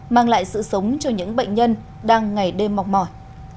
mang lại sự sống cho những bệnh nhân đang ngày đêm mọc mỏi